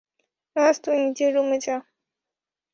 রাজ, তুই নিজের রুমে যা।